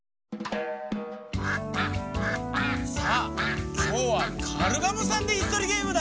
さあきょうはカルガモさんでいすとりゲームだ。